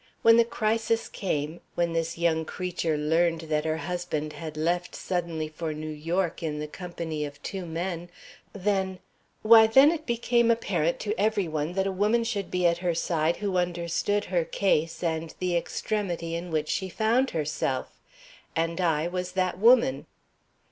"When the crisis came, when this young creature learned that her husband had left suddenly for New York in the company of two men, then why then, it became apparent to every one that a woman should be at her side who understood her case and the extremity in which she found herself. And I was that woman."